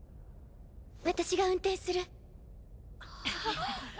私が運転する。